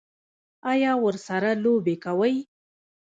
ایا ورسره لوبې کوئ؟